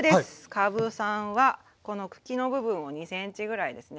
かぶさんはこの茎の部分を２ｃｍぐらいですね